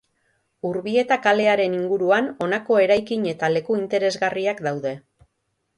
Urbieta kalearen inguruan honako eraikin eta leku interesgarriak daude.